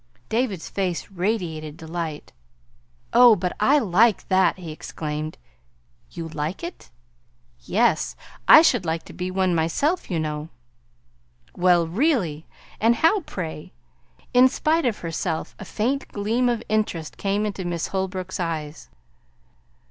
David's face radiated delight. "Oh, but I like that!" he exclaimed. "You like it!" "Yes. I should like to be one myself, you know." "Well, really! And how, pray?" In spite of herself a faint gleam of interest came into Miss Holbrook's eyes.